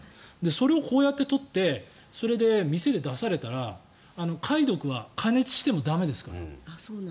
それをこうやって取ってそれで店で出されたら貝毒は加熱しても駄目ですから。